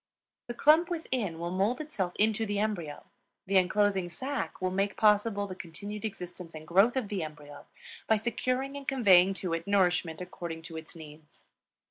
The clump within will mold itself into the embryo; the inclosing sac will make possible the continued existence and growth of the embryo by securing and conveying to it nourishment according to its needs.